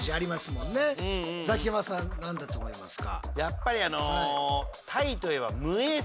ザキヤマさん何だと思いますか？